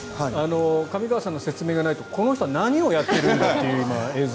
上川さんの説明がないとこの人は、何をやっているんだというような。